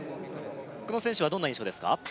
この選手はどんな印象ですか？